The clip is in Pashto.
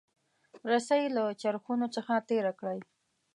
رسۍ له چرخونو څخه تیره کړئ.